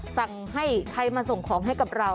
สั่งให้ใครมาส่งของให้กับเรา